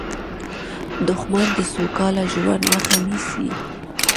دښمن د سوکاله ژوند مخه نیسي